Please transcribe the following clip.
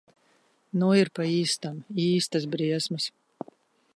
Nu ir pa īstam. Īstas briesmas.